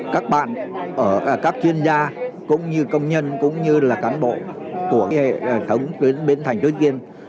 các bạn các chuyên gia cũng như công nhân cũng như là cảnh bộ của tổng tuyến bến thành tuyết kiên